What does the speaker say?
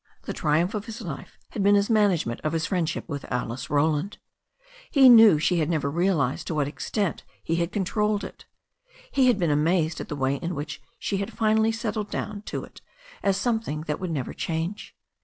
The triumph of his life had been his management of his . friendship with Alice Roland. He knew she had never real ized to what an extent he had controlled it. He had been amazed at the way in which she had finally settled down to it as something that would never change.